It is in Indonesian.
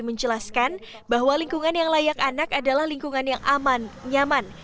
menjelaskan bahwa lingkungan yang layak anak adalah lingkungan yang aman nyaman